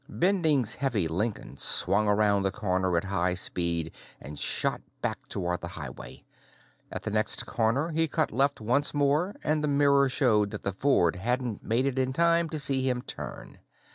Bending's heavy Lincoln swung around the corner at high speed and shot back toward the highway. At the next corner, he cut left once more, and the mirror showed that the Ford hadn't made it in time to see him turn.